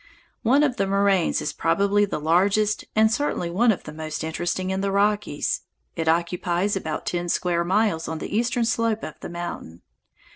One of the moraines is probably the largest and certainly one of the most interesting in the Rockies. It occupies about ten square miles on the eastern slope of the mountain.